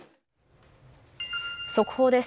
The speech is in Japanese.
速報です。